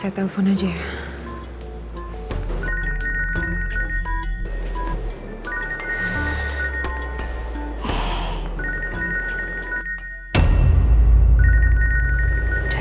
saya telepon aja ya